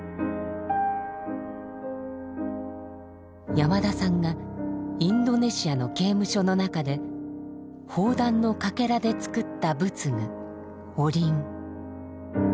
山田さんがインドネシアの刑務所の中で砲弾のかけらで作った仏具お鈴。